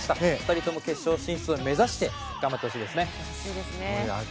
２人共、決勝進出を目指して頑張ってほしいですね。